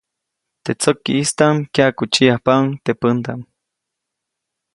Teʼ tsäkiʼstaʼm kyaʼkutsiʼyajpaʼuŋ teʼ pändaʼm.